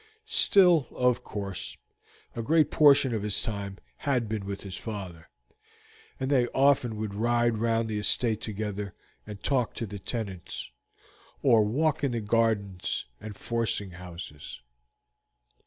Still, of course, a great portion of his time had been with his father, and they often would ride round the estate together and talk to the tenants, or walk in the gardens and forcing houses.